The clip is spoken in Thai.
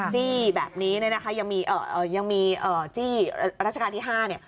จี้แบบนี้เนี่ยนะคะยังมีจี้รัชกาลที่๕เนี่ย